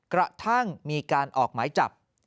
กระทั่งมีการออกหมายจับ